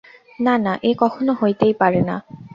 না না, এ কখনো হইতেই পারে না।